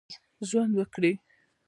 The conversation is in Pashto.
ژوند وکړي.